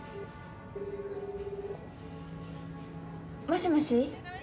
もしもし？